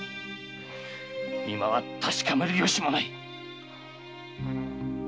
今は確かめるよしもない。